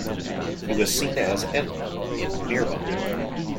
He was seen as "Enma" in "Mirmo!